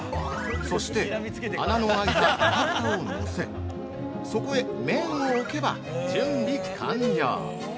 ◆そして穴のあいた中ぶたをのせそこへ麺を置けば、準備完了。